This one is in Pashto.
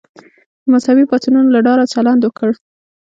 د مذهبي پاڅونونو له ډاره چلند وکړ.